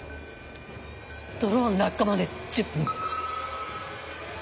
ドローン落下まで１０分。